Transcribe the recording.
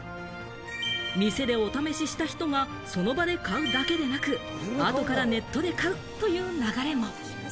店でお試しした人が、その場で買うだけでなく、後からネットで買うという流れも。